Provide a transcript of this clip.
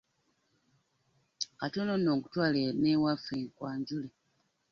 Katono nno nkutwale n'ewaffe nkwanjule.